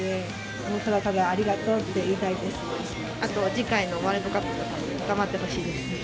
次回のワールドカップとかも頑張ってほしいです。